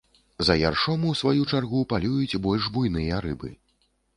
За яршом у сваю чаргу палююць больш буйныя рыбы.